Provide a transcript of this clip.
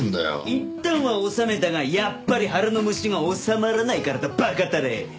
いったんは治めたがやっぱり腹の虫が治まらないからだ馬鹿たれ！